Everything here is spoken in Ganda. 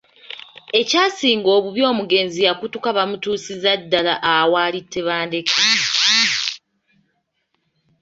Ekyasinga obubi omugenzi yakutuka bamutuusiza ddala awali Tebandeke.